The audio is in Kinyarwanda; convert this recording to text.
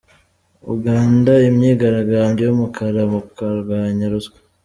Uganda Imyigaragambyo y’umukara mu kurwanya ruswa